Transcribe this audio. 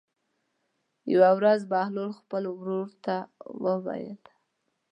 یوه ورځ بهلول خپل کور ته لاړ.